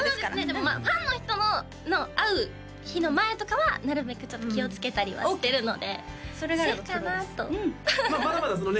でもファンの人と会う日の前とかはなるべくちょっと気をつけたりはしてるのでセーフかなとまだまだそのね